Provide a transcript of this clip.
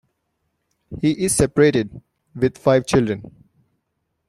He is separated, with five children.